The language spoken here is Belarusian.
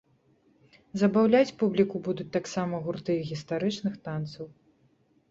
Забаўляць публіку будуць таксама гурты гістарычных танцаў.